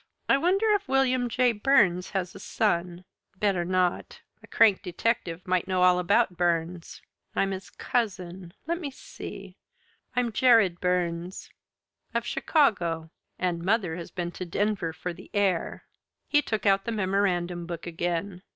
"I wonder if William J. Burns has a son? Better not! A crank detective might know all about Burns. I'm his cousin. Let me see I'm Jared Burns. Of Chicago. And mother has been to Denver for the air." He took out the memorandum book again.